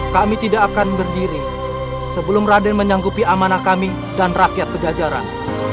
kami tidak akan berdiri sebelum raden menyanggupi amanah kami dan rakyat pejajaran